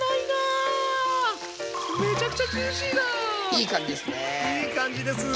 いい感じですね。